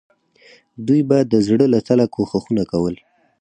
دوی به د زړه له تله کوښښونه کول.